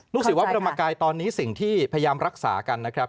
ศิวะพระธรรมกายตอนนี้สิ่งที่พยายามรักษากันนะครับ